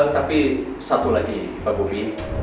tapi satu lagi pak bobi